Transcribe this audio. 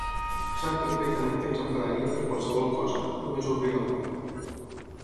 Sap perfectament que ens enfadaríem per qualsevol cosa, només obrir la boca.